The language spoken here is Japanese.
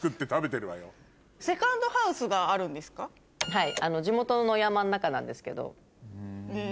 はい。